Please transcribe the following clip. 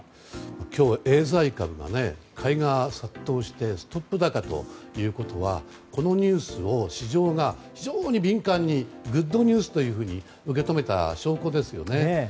今日、エーザイ株の買いが殺到してストップ高ということはこのニュースを市場が非常に敏感にグッドニュースとして受け止めた証拠ですよね。